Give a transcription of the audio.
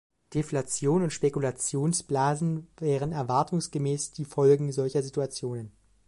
Deflation und Spekulationsblasen wären erfahrungsgemäß die Folgen solcher Situationen.